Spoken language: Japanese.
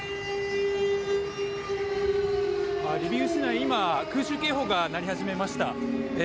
リビウ市内、空襲警報が鳴り始めました。